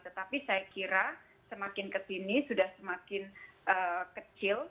tetapi saya kira semakin ke sini sudah semakin kecil